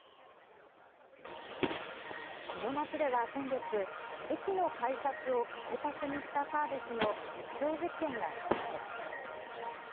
この街では先月、駅の改札を顔パスにしたサービスの実証実験がスタート。